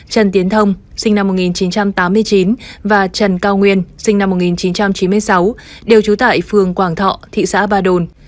trần tiến thông sinh năm một nghìn chín trăm tám mươi chín và trần cao nguyên sinh năm một nghìn chín trăm chín mươi sáu đều trú tại phường quảng thọ thị xã ba đồn